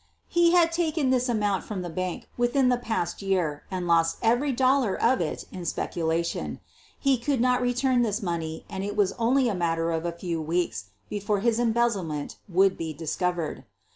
He had taken this amount from 128 SOPHIE LYONS the bank within the past year and lost every dolla* of it in speculation. He could not return this money and it was only a matter of a few weeks before his embezzlement would be discovered.